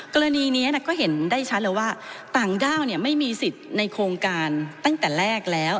กรณีนี้ก็เห็นได้ชัดเลยว่าต่างด้าวไม่มีสิทธิ์ในโครงการตั้งแต่แรกแล้ว